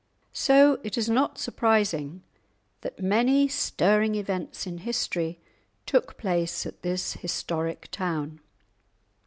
So it is not surprising that many stirring events in history took place at this historic town.